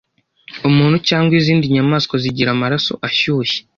umuntu cyangwa izindi nyamaswa zigira amaraso ashyushye